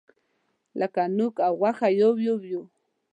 لکه نوک او غوښه یو یو یوو.